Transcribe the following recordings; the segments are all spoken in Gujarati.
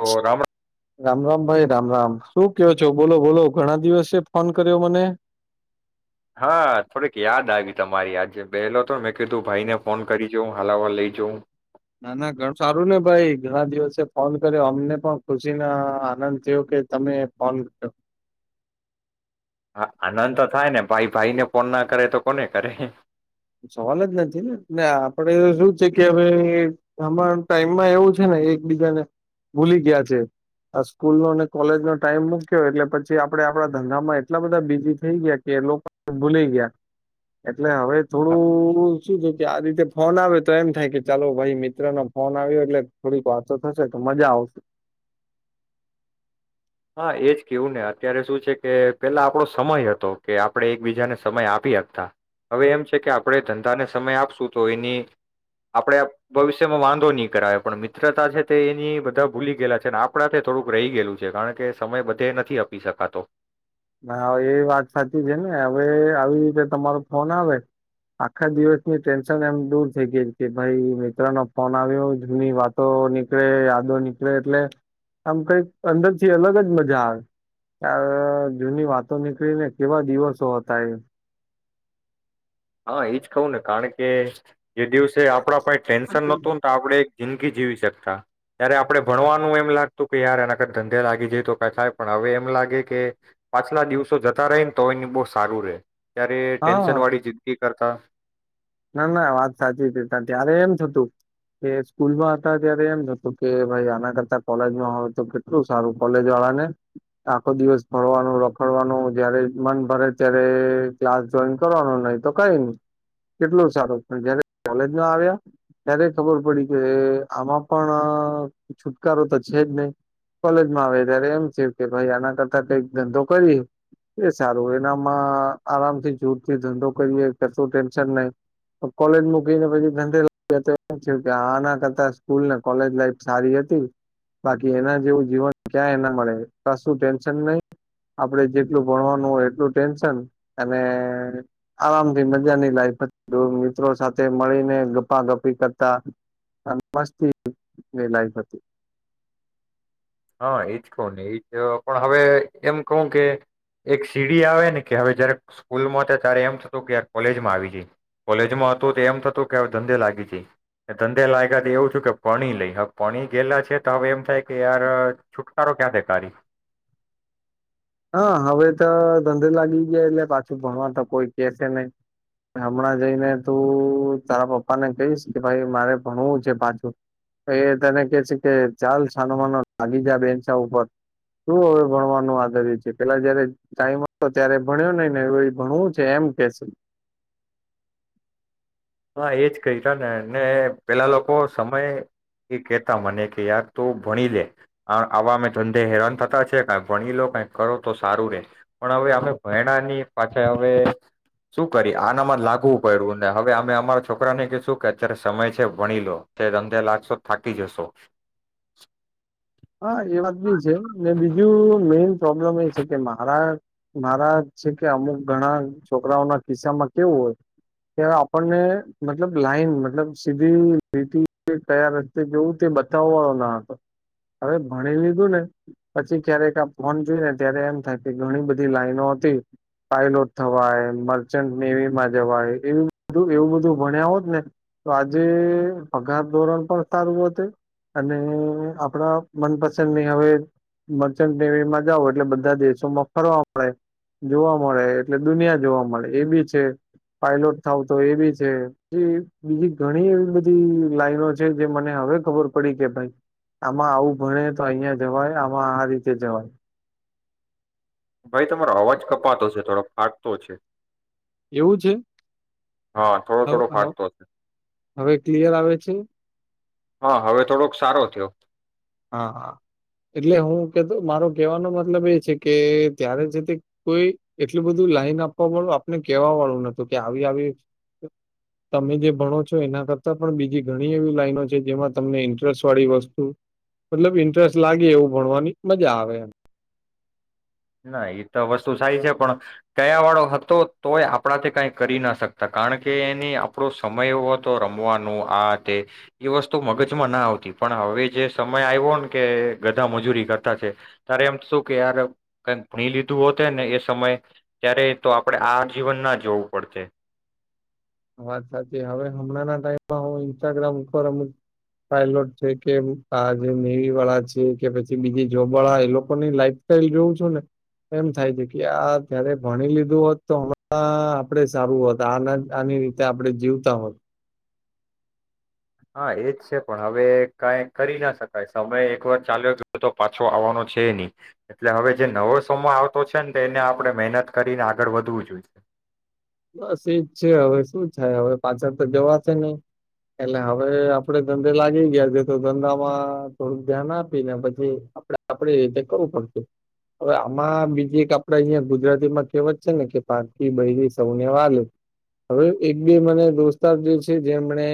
તો રામ રામ રામ ભાઈ. રામ રામ શું કવો છો બોલો બોલો ઘણા દિવસે ફોન કર્યો મને. હા થોડીક યાદ આવી તમારી આજે બેહેલો તો ને મેં કી તું ભાઈને ફોન કરી જાઉં હલાવા લઈ જાઉં. ના ના ઘણું સારું ને ભાઈ ઘણા દિવસે ફોન કર્યો અમને પણ ખુશીને આનંદ થયો કે તમે ફોન કર હા આનંદ તો થાય ને ભાઈ ભાઈને ફોન ના કરે તો કોને કરે. સવાલ જ નથી ને આપડે શું છે કે હવે હમા ટાઈમમાં એવું છે ને એકબીજાને ભૂલી ગયા છે આ સ્કૂલ નો ને કોલેજ નો ટાઈમ મૂક્યો એટલે પછી આપડે આપડા ધંધામાં એટલા બધા બીજી થઈ ગયા કે એ લોકો ભૂલી ગયા એટલે હવે તોડું શું થ કે આ રીતે ફોન આવે તો એમ થાય કે ચાલો ભાઈ મિત્ર નો ફોન આવ્યો એટલે થોડીક વાચો થશે તો મજા આવશે. હા એજ કેવું ને અત્યારે શું છે કે પેલા આપણો સમય હતો કે આપણે એકબીજાને સમય આપી આપતા હવે એમ છે કે આપણે ધંધાને સમય આપશું તો એની આપણે ભવિષ્યમાં વાંધો નહી કરાવે પણ મિત્રતા છે તે એની બધા ભૂલી ગયેલા છે અને આપણા તે થોડુંક રહી ગયેલું છે કારણ કે સમય બધે નથી આપી શકાતો. હા એ વાત સાચી છે ને હવે આવી રીતે તમારો ફોન આવે આખા દિવસની ટેન્શન એમ દૂર થઈ ગઈ કે ભાઈ મિત્ર નો ફોન આવ્યો જૂની વાતો નીકળે યાદો નીકળે એટલે આમ કઈક અંદરથી અલગ જ મજા આવે ત જૂની વાતો નીકળીને કેવા દિવસો હતા એ. હા એજ ખઉ ને કારણ કે જે દિવસે આપડા પાઈ ટેન્શન નહોતું ને તો આપડે જિંદગી જીવી શકતા ત્યારે આપડણે ભણવાનું એમ લાગતું કે યાર એના કર ધંધે લાગી જાય તો ક થાય પણ હવે એમ લાગે કે પાછલા દિવસો જતા રહી ને તો એને બહુ સારું રે ત્યારે ટેન્શન હા વાળી જી કરતા. ના ના વાત સાચી હતી ત ત્યારે એમ થતું કે સ્કૂલમાં હતા ત્યારે એમ થતું કે ભાઈ આના કરતા કોલેજમાં હોય તો કેટલું સારું કોલેજ વાળા ને આખો દિવસ ભરવાનું રખડવાનું જયારે મન ભરે ત્યારે ક્લાસ જોઈન કરવાનો નહી તો કઈ ન કેટલોું સારો પણ જયારે કોલેજમાં આવ્યા ત્યારે ખબર પડી કે આમાં પણ છુટકારો તો છે જ નહી કોલેજમાં આવે ત્યારે એમ છે કે ભાઈ આના કરતા કઈક ધંધો કરી એ સારો એનામાં આરામથી જોર થી ધંધો કરીએ કર લે મકીને પ ધ થ કે આ ના કરતા સ્કૂલને કોલેજ લાઈફ સારી હતી બાકી એના જેવું જીવન ક્યાં એના મળેશું ટેન્શન નહી આપડ જેટલું ભણવાનું હોય એટલું ટેન્શન અને આરામ થી મજા લ મિત્રો સાથે મળીને ગપા ગપી કરતા, મસ્તી લફ હતી. હા એજ કવ ને એજ પણ હવે એમ કહું કે, એક સીડી આવે ને કે હવે જયારે સ્કૂલમાં હતા ત્યારે એમ થતું કે કોલેજમાં આવી જાય, કોલેજમાં હતું તો એમ થતું કે હવે ધંધે લાગી જાય, ધંધે લાગ્યા તો એવું છું કે પણી લઈ હવે પણી ગયેલા છે તો હવે એમ થાય યાર કરો ક્યાં બેેકારારી. હા હવે તો ધંધે લાગી ગયા એટલે પાછું ભણવા તો કોઈ કે છે નહી, હમણાં જઈને તું તારા પપ્પા ને કહીશ કે ભાઈ મારે ભણવું છે પાછું, એ તને કે છે કે ચાલ છાનો માનો લાગી જાય બેન્ચા ઉપર, તું હવે ભણવાનું આદર છે. પેલા જયારે ટાઈમ હતો ત્યારે ભણ્યો નઈને એ ભણવું છે એમ કેશે. હા એજ ક ત ને ને પેલા લોકો સમય એ કેતા મને કે યાર ત ભણી લે, આવા અમે ધંધે હેરાન થતા છે ક ભણી લો કઈ કરો તો સારું રે, પણ હવે અમે ભણાની પાછા હવે શું કરી આનામાં જ લાગવું પ્યું ને હવે અમે. તમારા છોકરાને કશું કે અત્યારે સમય છે ભણી લો તે ધંધે લાગશો થાકી જશો. હા એ વાત બી છે ને બીજું મેન પ્રોબ્લેમ એ છે કે મારા મારા છે કે અમુક ઘણા છોકરાઓના કિસ્સામાં કેવું હોય, કે આપણને મતલબ લાઈન મતલબ સીધી રી કયા રસ્તે જોવું તે બતાવવા વાળો ના હતો. હવે ભણી લીધું ને, પછી ક્યારેક આ ફોન જોયને ત્યારે એમ થાય કે ઘણી બધી લાઈનો હતી, પાયલોટ થવાય મર્ચન્ટ નેવીમાં જવાય એ બ એવું બધું ભણ્યા હોત ને, તો આજે પગાર ધોરણ પણ સારું હત અને આપડા મનપસંદની હવે મર્ચન્ટ નેવીમાં જાવ એટલે બધા દેશોમાં ફરવા મળે, જોવા મળે એટલે દુનિયા જોવા મળે એ બી છે, પાયલોટ થાવ તો એ બી છે, એ બીજી ઘણી એવી બધી લાઈનો છે, જે મને હવે ખબર પડી કે ભાઈ આમાં આવું ભણે તો અહં જવાય આમાં આ રીતે જવાય. ભાઈ તમારો અવાજ કપાતો છે થોડો ફાકતો છે. એવું છે? હા થોડો હ થોડો ફાટતો છે હવે ક્લિયર આવે છે? હા હવે થોડોક સારો થયો. હાા એટલે હું કેતો મારો કેવાનો મતલબ એ છે કે ત્યારે છે તે કોઈ એટલું બધું લાઈન આપવા વાળું આપને કેવા વાળું નતું કે આવી આવી, તમે જે ભણો છો એના કરતાં પણ બીજી ઘણી એવી લાઈનો છે જેમાં તમને ઇન્ટરેસ્ટ વાળી વસ્તુ મતલબ ઇન્ટરેસ્ટ લાગે એવું ભણવાની મજા આવે એમ. ના એ તો વસ્તુ સારી છે પણ, કયા વાળો હતો તોય આપણા તે કઈ કરી ના શકતા કારણ કે એની આપણો સમય એવો હતો રમવાનું આ તે, એ વસ્તુ મગજમાં ના આવતી પણ હવે જે સમય આવ્યો ને કે ગધા મજૂરી કરતા છે, તારે એમ શું કે યાર કક ભણી લીધું હોતે ને એ સમય, ત્યારે તો આપણેે આ જીવન ના જોવું પડશે. વાત સાચી હવે હમણાં ના ટાઈમમાં હ ઇન્સ્ટાગ્રામ ઉપર અમુક પાયલોટ છે કે આ જે નેવી વાળા છે કે પછી બીજી જોબ વાળા એ લોકોની લાઈફ સાઈલ જોવું છું ને એમ થાય છે કે આ જયારે ભણી લીધું હોત તો હમણાં આપડે સારું હોત આ આ આપડણે જીવતા હોત. હા એજ છે પણ હવે કઈ કરી ના શકાય સમય એક વાર ચાલ્યો તો પાછો આવવાનો છે નહી, એટલે હવે જે નવો સમય આવતો છે ને તો એને આપણે મહેનત કરીને આગળ વધવું જોઈશે. બસ એજ છે હવે શું થાય હવે પાછળ તો જવા છે નહી, એટલે હવે આપડે ધંધે લાગી ગયા છે તો ધંધામાં થોડુંક ધ્યાન આપીને પછી આપે આપડી રીતે કરવું પડશે, હવે આમાં બીજી એક આપડે અહિયાં ગુજરાતીમાં કહેવત છે ને કે પાકી બરી સૌને વાલું, હવે એક બે મને દોસ્તાર જે છે જેમને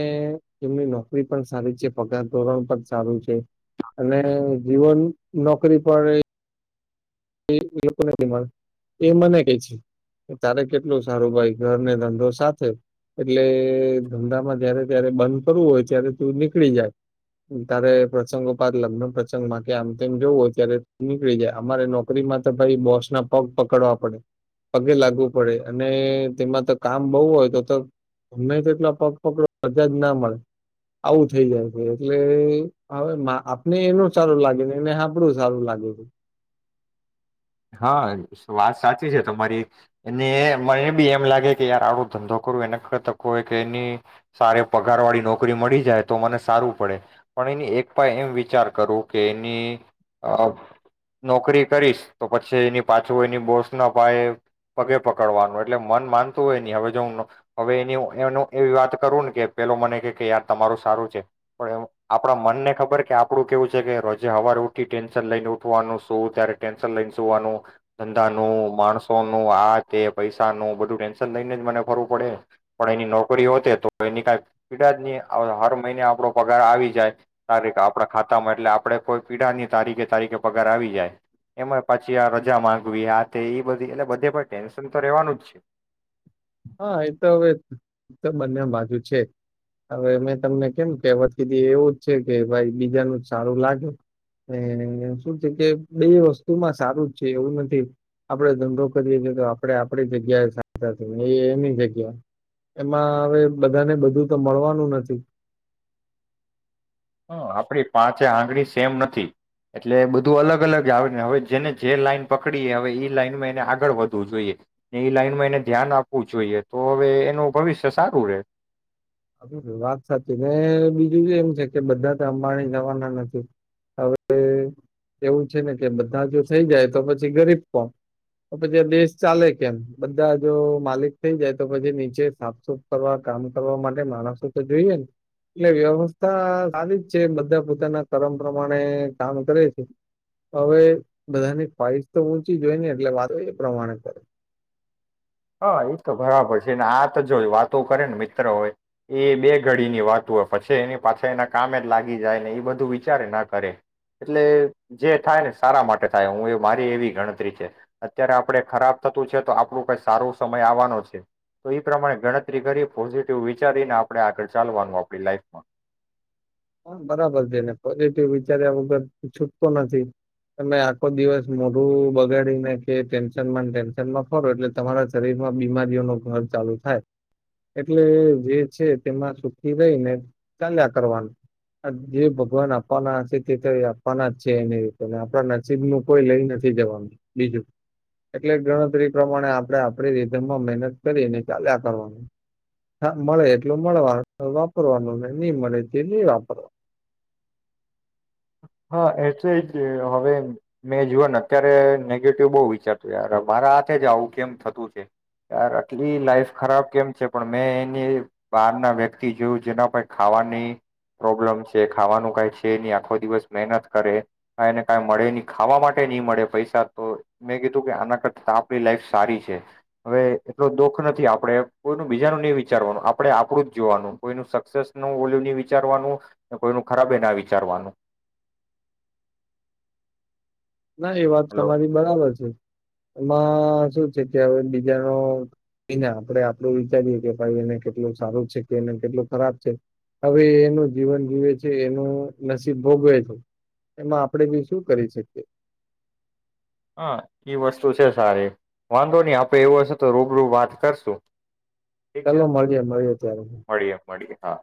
એમની નોકરી પણ સારી છે પગાર ધોરણ પણ સારું છે, અને જીવન નોકરી પણ એ મને ક છે, તારે કેટલું સારું ભાઈ ઘરને ધંધો સાથે એટલે ધંધામાં જારે ત્યારે બંધ કરવું હોય ત્યારે તું નીકળી જાય, તારે પ્રસંગો પાદ લગ્ન પ્રસંગ માં કે આમ તેમ જોવું હોય ત્યારે નીકળી જાય અમારે નોક છોકરીમાં તો ભાઈ બોસ ના પગ પકડવા પડે પગે લાગવું પડે, અને તેમાં તો કામ બહુ હોય તો તો ગમે તેટલા પગ પકડ મજા જ ના મળે આવું થઈ જાય છે, એટલે હવે આપને એનું સારું લાગે એને આપડું સારું લાગે છે. હા વાત સાચી છે તમારી, એને મને બી એમ લાગે કે યાર આડો ધંધો કરવું એને તવય કે એની સારે પગાર વાળી નોકરી મળી જાય તો મને સારું પડે, પણ એની એક પ એમ વિચાર કરું કે એની નોકરી કરીશ તો પછી એની પાછું એની બોસના ભાયે પગે પકડવાનું એટલે મન માનતું હોય નહી હવે જો હવે, એની એનું એવી વાત કરું ને કે પેલો મને કે કે યાર તમારું સારું છે, પણ આપણા મનને ખબર કે આપડું કેવું છે કે રોજે સવારે ઉઠી ટેન્શન લઈને ઉઠવાનું શું ત્યારેટે શન લઈને સુવાનું, ધંધાનું માણસોનું આ કે પૈસાનું બધું ટેન્શન લઈને જ મને ફરવું પડે, પણ એની નોકરી હોતે તો એની ક પીડા હર મહિને આપણો પગાર આવી જાય, ત આપણા ખાતામાં એટલે આપણે કોઈ પીડાની તારીખે તારીખે પગાર આવી જાય. એમાં પાછી આ રજા માંગવી આ તે એ બધી એટલે બધે પણ ટેન્શન તો રેવાનું જ છે. હા એ તો હવે તો બંને બાજુ છે હવે મેં તમને કેમ કહેવત કીધી એવું જ છે કે ભાઈ બીજાનું જ સારું લાગે અને શું છે કે બે વસ્તુમાં સારું જ છે એવું નથી આપડે ધંધો કરીએીએ તો આપડે આપણી જગ્યાએ સાા એ એની જગ્યા, એમાં હવે બધાને બધું તો મળવાનું નથી. હ આપણી પાંચે આંગળી સેમ નથી, એટલે બધું અલગ અલગ આવે હવે જેને જે લાઈન પકડીએ હવે એ લાઈનમાં એને આગળ વધવું જોઈએ, ને એ લાઈનમાં એને ધ્યાન આપવું જોઈએ તો હવે એનું ભવિષ્ય સારું રહેે. વાત સાચી ને બીજું એમ છે કે બધા તો અંબાણી જવાના નથી, હવે એવું છે ને કે બધા જો થઈ જાય તો પછી ગરીબ કોણ, તો પછી દેશ ચાલે કેમ બધા જો માલિક થઈ જાય તો પછી નીચે સાફ સુફ કરવા કામ કરવા માટે માણસો તો જોઈએ, ને એટલે વ્યવસ્થા સારી જ છે બધા પોતાના કરમ પ્રમાણે કામ કરે છે, હવે બધાની ખઈશ તો ઊંચી જ હોય ને એટલે વાતો એ પ્રમાણે કરે હા એ તો બરાબર છે ને આ તો જો વાતો કરે ને મિત્ર હોય એ બે ઘડીની વાત હોય પછી એની પાછા એના કામે જ લાગી જાય ને એ બધું વિચારે ના કરે એટલે જે થાય ને સારા માટે થાય હું એ મારી એવી ગણતરી છે અત્યારે આપણે ખરાબ થતું છે તો આપણું ક સારો સમય આવવાનો છે, તો એ પ્રમાણે ગણતરી કરી પોઝિટિવ વિચારીને આપણે આગળ ચાલવાનું આપણી લાઈફમાં. બરાબર છેને પોઝિટિવ વિચાર્યા વગર છૂટકો નથી, તમે આખો દિવસ મોઢું બગાડીને કે ટેન્શનમાં ટેન્શનમાં ફરો એટલે તમારા શરીરમાં બીમારીઓ ન ઘર ચાલુ થાય, એટલે જે છે તેમાં સુખી રહીને ચાલ્યા કરવાનું. જે ભગવાન આપવાના આથી થ આપવાના જ છે એની રીતે આપણા નસીબ નું કોઈ લઈ નથી જવાનું, બીજું એટલે ગણતરી પ્રમાણે આપણે આપડી રીધમાં મહેનત કરીને ચાલ્યા કરવાનું, મળે એટલું મળવા વાપરવાનું નહી મળે જે નહી વાપર હા એ તો જ હવે મેં જોુઓ ને અત્યારે નેગેટિવ બહુ વિચારતું યાર મારા હાથે જ આવું કેમ થતું છે, યાર આટલી લાઈફ ખરાબ કેમ છે પણ મેં એની બહાર ના વ્યક્તિ જોયું જેના ક ખાવાની પ્રોબ્લેમ છે, ખાવાનું કઈ છે એની આખો દિવસ મહેનત કરે, ક એને કા મળે ન ખાવા માટે નહી મળે પૈસા તો મેં કીધું કે આના કરતા આપણી લાઈફ સારી છે, હવે એટલો દુઃખ નથી આપણેે કોઈનું બીજાનું નહી વિચારવાનું આપણેે આપણું જ જોવાનું કોઈનું સક્સેસ નું વોલ્યુ નહી વિચારવાનું, કોઈનું ખરાબે ના વિચારવાનું. ના એ વાત હલો તમારી બરાબર છે. એમાં શું છે કે હવે બીજાનો આપણે આપડું વિચારીએ કે ભાઈ એને કેટલું સારું છે કે એને કેટલું ખરાબ છે, હવે એનું જીવન જીવે છે એનું નસીબ ભોગવે છે, એમાં આપણેે બી શું કરી શકીએ. હા એઈ વસ્તુ છે સારી, વાંધો નહી આપે એવું હશે તો રૂબરૂ વાત કરશું. ઠીક છે ચાલો મળીએ મળીએે ત્યારે. મળીએ મળીએ હા